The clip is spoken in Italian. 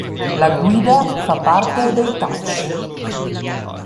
La Guida fa parte dei Touch!